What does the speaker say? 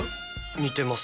似てます。